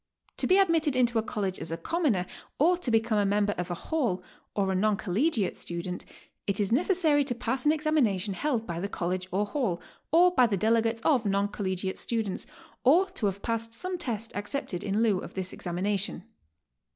'To be admitted into a College as a commoner, or to become a member of a Hall, or a non collegiate student, it is neces sary to pass an examinatiion held by the College or Hall, or by the delegates of non collegiate students, or to have passed some test accepted in lieu of this examination.